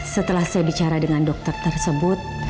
setelah saya bicara dengan dokter tersebut